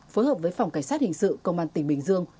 phối hợp với phòng cảnh sát hình sự công an tỉnh bình dương